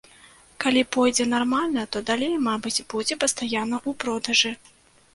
Калі пойдзе нармальна, то далей, мабыць, будзе пастаянна ў продажы.